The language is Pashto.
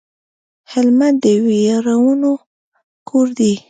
هلمند د وياړونو کور دی